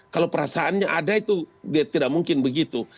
kalau perasaannya ada itu tidak mungkin begitu